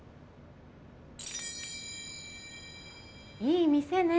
いい店ね。